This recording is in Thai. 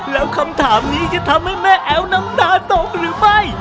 แล้วคำถามนี้จะทำให้แม่แอ๋วน้ำตาตกหรือไม่